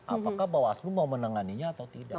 apakah bawas lu mau menenganinya atau tidak